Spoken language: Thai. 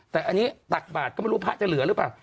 แต่อันนี้ตักบาทก็ไม่รู้พระจะเหลือหรือเปล่า